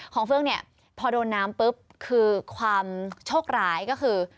เฟืองเนี่ยพอโดนน้ำปุ๊บคือความโชคร้ายก็คือ